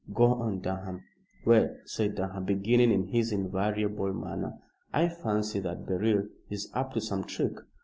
Go on, Durham." "Well," said Durham, beginning in his invariable manner, "I fancy that Beryl is up to some trick.